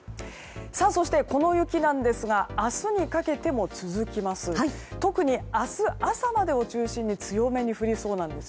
そして、この雪なんですが明日にかけても続きます。